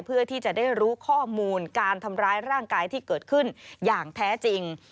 เพื่อที่จะได้รู้ข้อมูลการทำร้ายร่างกายที่เกิดขึ้นอย่างแท้จริง